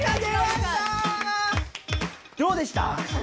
どうでした？